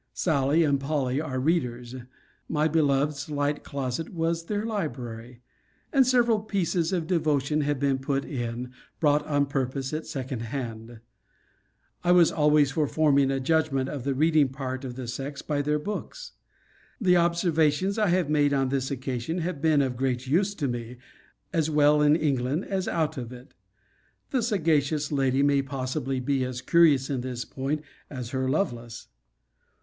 Sally and Polly are readers. My beloved's light closet was their library. And several pieces of devotion have been put in, bought on purpose at second hand. * See Letter XXXIX. of this volume. I was always for forming a judgment of the reading part of the sex by their books. The observations I have made on this occasion have been of great use to me, as well in England as out of it. The sagacious lady may possibly be as curious in this point as her Lovelace.